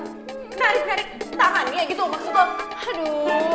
narik narik tangannya gitu loh maksudnya